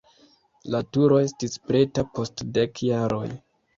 La turo estis preta post dek jaroj.